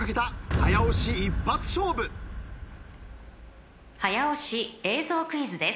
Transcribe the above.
［早押し映像クイズです］